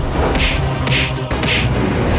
kedai yang menangis